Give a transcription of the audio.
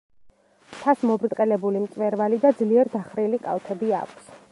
მთას მობრტყელებული მწვერვალი და ძლიერ დახრილი კალთები აქვს.